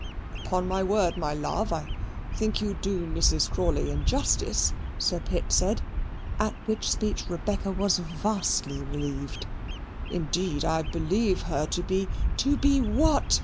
"Upon my word, my love, I think you do Mrs. Crawley injustice," Sir Pitt said; at which speech Rebecca was vastly relieved. "Indeed I believe her to be " "To be what?"